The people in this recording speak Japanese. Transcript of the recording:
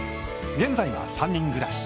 現在は、３人暮らし。